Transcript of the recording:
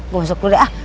gue masuk dulu deh ah